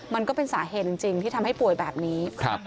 มันก็เป็นสาเหตุจริงที่ทำให้ป่วยแบบนี้